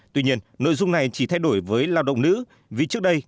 tuy nhiên nội dung này chỉ thay đổi với lao động nữ vì trước đây